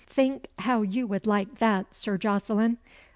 Think how you would like that, Sir Jocelyn?